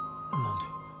何で？